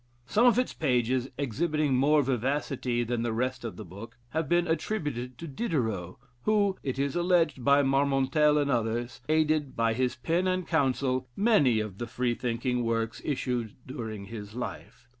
Some of its pages exhibiting more vivacity than the rest of the book, have been attributed to Diderot, who (it is alleged by Marmontel and others) aided, by his pen and counsel, many of the Freethinking works issued during his life.